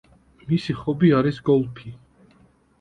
მის ჰობი არის გოლფი.